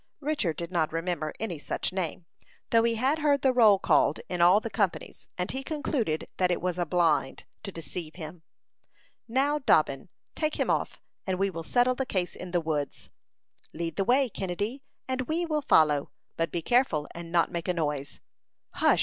Richard did not remember any such name, though he had heard the roll called in all the companies, and he concluded that it was a "blind," to deceive him. "Now, Dobbin, take him off, and we will settle the case in the woods." "Lead the way, Kennedy, and we will follow; but be careful and not make a noise." "Hush!"